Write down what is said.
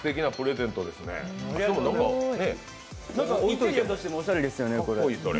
インテリアとしてもおしゃれですよね。